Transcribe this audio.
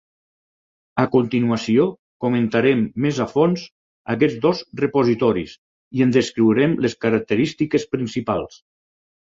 A continuació comentarem més a fons aquests dos repositoris i en descriurem les característiques principals.